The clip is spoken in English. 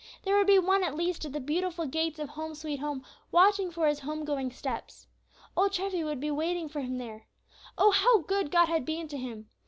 There would be one at least at the beautiful gates of "Home, sweet Home," watching for his homegoing steps. Old Treffy would be waiting for him there. Oh, how good God had been to him!